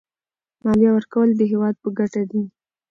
مالیه ورکول د هېواد په ګټه دي.